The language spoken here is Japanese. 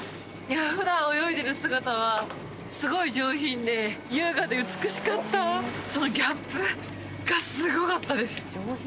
普段泳いでる姿はすごい上品で優雅で美しかったそのギャップがすごかったです